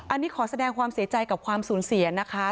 อันนี้ขอแสดงความเสียใจกับความสูญเสียนะคะ